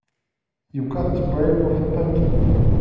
You've got the brain of a pancake.